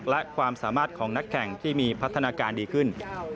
และความสามารถของนักแข่งที่มีพัฒนาการดีขึ้น